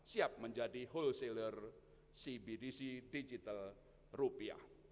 siap menjadi wholesaler cbdc digital rupiah